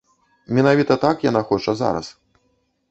Менавіта так яна хоча зараз.